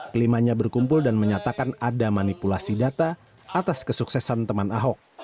kelimanya berkumpul dan menyatakan ada manipulasi data atas kesuksesan teman ahok